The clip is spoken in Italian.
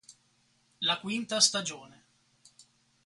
La quinta stagione